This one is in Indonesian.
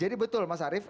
jadi betul mas arief